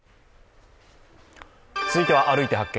続いては「歩いて発見！